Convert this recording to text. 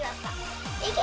いけ！